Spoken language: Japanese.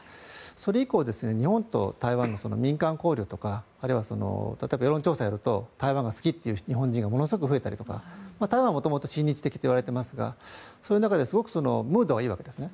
それ以降、日本と台湾の民間交流とか例えば世論調査をやると台湾が好きという日本人がものすごく増えたりとか台湾は元々親日的と言われていますがそういう中ですごくムードがいいわけですね。